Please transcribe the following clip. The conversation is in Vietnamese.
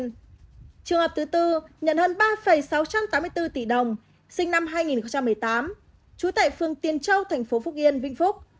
trường hợp thứ tư nhận hơn ba sáu trăm tám mươi bốn tỷ đồng sinh năm hai nghìn một mươi tám trú tại phương tiên châu thành phố phúc yên vĩnh phúc